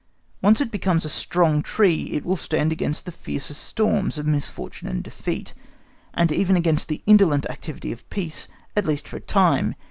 Once it becomes a strong tree, it will stand against the fiercest storms of misfortune and defeat, and even against the indolent inactivity of peace, at least for a time.